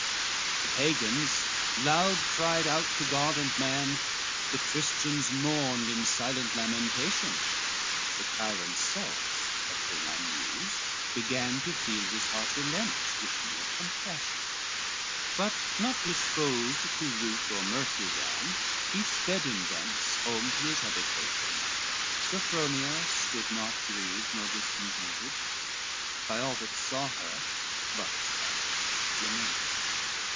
XXXVII The Pagans loud cried out to God and man, The Christians mourned in silent lamentation, The tyrant's self, a thing unused, began To feel his heart relent, with mere compassion, But not disposed to ruth or mercy than He sped him thence home to his habitation: Sophronia stood not grieved nor discontented, By all that saw her, but herself, lamented.